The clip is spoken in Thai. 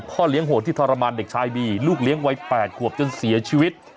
เลี้ยโหดที่ทรมานเด็กชายบีลูกเลี้ยงวัย๘ขวบจนเสียชีวิต